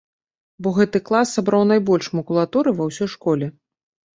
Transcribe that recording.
Бо гэты клас сабраў найбольш макулатуры ва ўсёй школе.